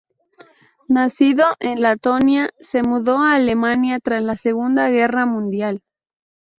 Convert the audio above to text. Nacido en Letonia, se mudó a Alemania tras la Segunda Guerra Mundial.